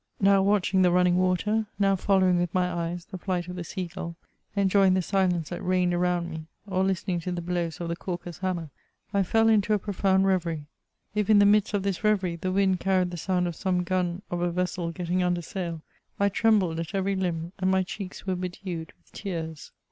Now watching the running water, now following with my eyes the flight of the sea gull, enjoying the sUence that reigned around me, or listening to the hlows of the caulker's hammer, I fell into a profound reverie. If in the mid^t of this reverie, the wind carried the sound of some gun of a vessel getting under sail, I tremhled at every limh, and my cheeks were hedewed* with teara.